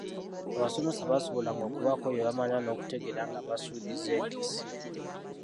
Abasomesa baasobolanga okubaako bye bamanya n'okutegeera nga basuuliza enkessi.